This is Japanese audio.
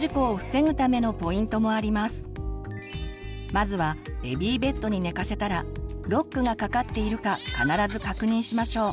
まずはベビーベッドに寝かせたらロックがかかっているか必ず確認しましょう。